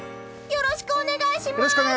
よろしくお願いします！